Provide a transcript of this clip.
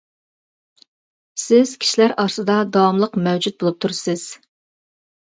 سىز كىشىلەر ئارىسىدا داۋاملىق مەۋجۇت بولۇپ تۇرىسىز.